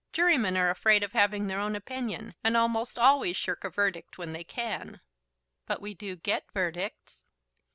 Jurymen are afraid of having their own opinion, and almost always shirk a verdict when they can." "But we do get verdicts."